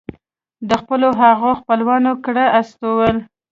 د خپلو هغو خپلوانو کره استول.